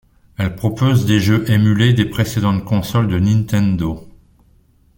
Elle propose des jeux émulés des précédentes consoles de Nintendo.